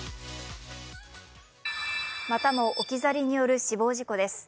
またも置き去りによる死亡事故です。